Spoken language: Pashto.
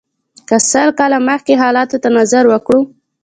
که سل کاله مخکې حالاتو ته نظر وکړو.